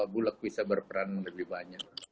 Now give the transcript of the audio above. bulog bisa berperan lebih banyak